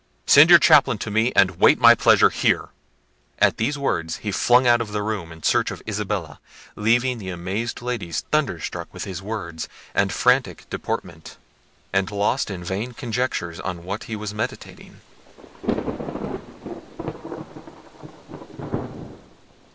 "Send your chaplain to me, and wait my pleasure here." At these words he flung out of the room in search of Isabella, leaving the amazed ladies thunderstruck with his words and frantic deportment, and lost in vain conjectures on what he was meditating.